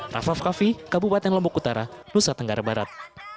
raff raff kaffi kabupaten lombok utara nusa tenggara barat